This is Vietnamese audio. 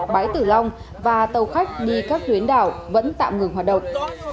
bãi tử long và tàu khách đi các tuyến đảo vẫn tạm ngừng hoạt động